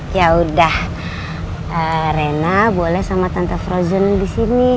yaudah rena boleh sama tante frodion disini